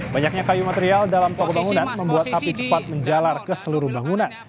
banyaknya kayu material dalam toko bangunan membuat api cepat menjalar ke seluruh bangunan